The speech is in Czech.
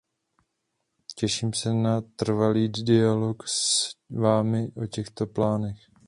Těším se na trvalý dialog s vámi o těchto plánech.